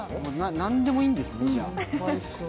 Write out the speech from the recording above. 何でもいいんですね。